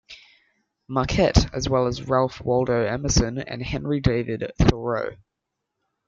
Marquette, as well as Ralph Waldo Emerson and Henry David Thoreau.